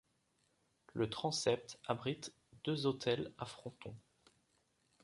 Le transept abrite deux autels à fronton.